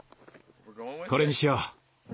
これにしよう。